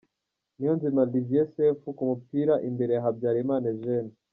Niyonzima Olivier Sefu ku mupira imbere ya Habyarimana Eugene.